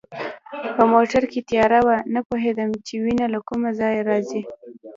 په موټر کې تیاره وه، نه پوهېدم چي وینه له کومه ځایه راځي.